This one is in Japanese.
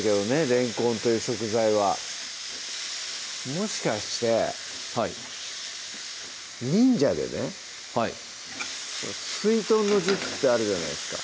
れんこんという食材はもしかしてはい忍者でねはい水遁の術ってあるじゃないですか